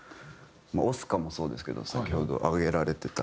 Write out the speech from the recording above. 『ＯＳＣＡ』もそうですけど先ほど挙げられてた。